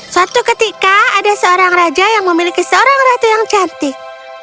suatu ketika ada seorang raja yang memiliki seorang ratu yang cantik